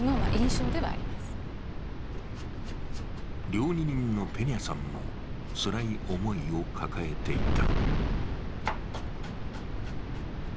料理人のペニャさんもつらい思いを抱えていた。